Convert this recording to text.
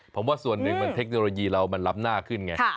ผมว่าส่วนหนึ่งมันเทคโนโลยีเรามันล้ำหน้าขึ้นไง